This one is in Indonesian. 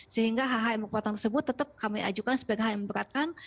sehingga hhm kekuatan tersebut tetap kami ajukan sebagai hal yang memberatkan